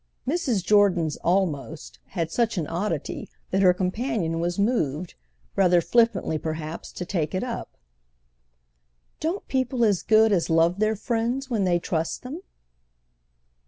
Mrs. Jordan's "almost" had such an oddity that her companion was moved, rather flippantly perhaps, to take it up. "Don't people as good as love their friends when they I trust them?"